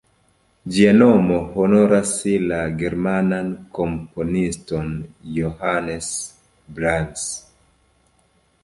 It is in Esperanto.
Ĝia nomo honoras la germanan komponiston Johannes Brahms.